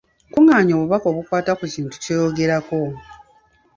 Kungaanya obubaka obukwata ku kintu kyogerako.